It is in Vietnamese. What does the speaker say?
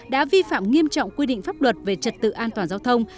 đã vi phạm nghiêm trọng quy định pháp luật về trật tự an toàn giao thông